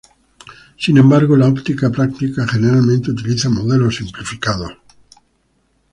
Sin embargo, la óptica práctica generalmente utiliza modelos simplificados.